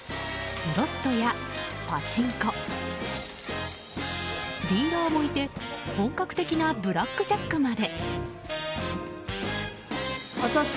スロットやパチンコディーラーもいて、本格的なブラックジャックまで。